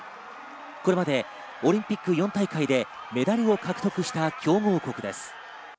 これまでオリンピック４大会でメダルを獲得した強豪国です。